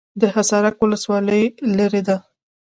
حصارک ولسوالۍ لیرې ده؟